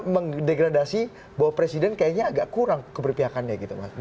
mengdegradasi bahwa presiden kayaknya agak kurang keberpihakannya